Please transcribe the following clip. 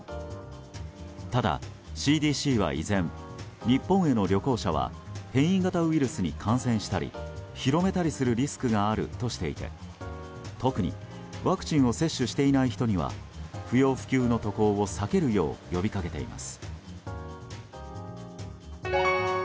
ただ、ＣＤＣは依然日本への旅行者は変異型ウイルスに感染したり広めたりするリスクがあるとしていて特にワクチンを接種していない人には不要不急の渡航を避けるよう呼びかけています。